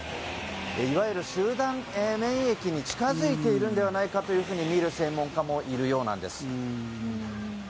いわゆる集団免疫に近付いているのではないかとみる専門家もいるようなんです。